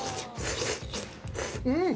うん！